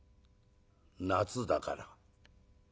「夏だから」。